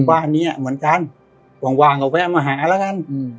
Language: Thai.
เป็นบ้านเนี้ยเหมือนกันวางก็แว่มาหาแล้วงั้นอืม